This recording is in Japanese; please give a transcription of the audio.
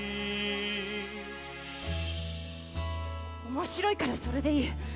面白いからそれでいい。